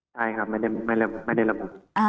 ใช่ครับไม่ได้ระบุ